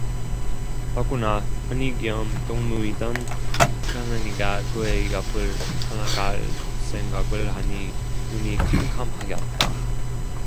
더구나 언니 겸 동무이던 간난이가 그의 앞을 떠나갈 생각을 하니 눈이 캄캄하였다.